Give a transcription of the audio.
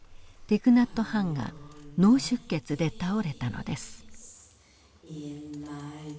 ティク・ナット・ハンが脳出血で倒れたのです。